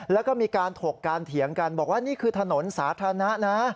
แล้วก็มีการถกการเถียงกันบอกว่านี่คือถนนสาธารณะนะ